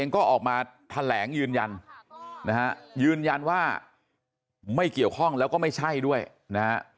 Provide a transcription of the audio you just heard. ก็ออกมาแถลงยืนยันนะฮะยืนยันว่าไม่เกี่ยวข้องแล้วก็ไม่ใช่ด้วยนะฮะ